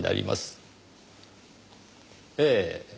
ええ。